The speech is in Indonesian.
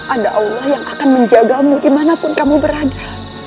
ada allah yang akan menjagamu dimanapun kamu berada